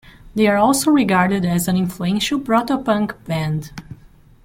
They are also regarded as an influential proto-punk band.